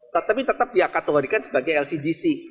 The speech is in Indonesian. tetapi tetap dia kategorikan sebagai lcgc